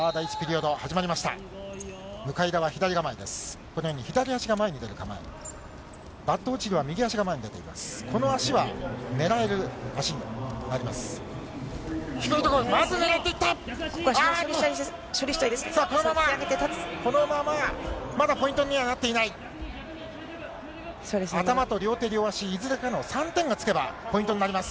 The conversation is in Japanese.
この足は狙える足になります。